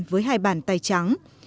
với hai bàn tay trắng